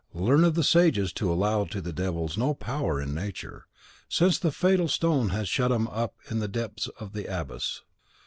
Learn of the Sages to allow to the Devils no power in Nature, since the fatal stone has shut 'em up in the depth of the abyss.